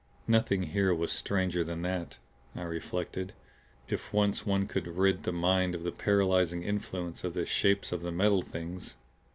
Nothing here was stranger than that, I reflected if once one could rid the mind of the paralyzing influence of the shapes of the Metal Things.